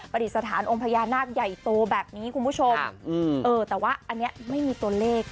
ดิษฐานองค์พญานาคใหญ่โตแบบนี้คุณผู้ชมเออแต่ว่าอันนี้ไม่มีตัวเลข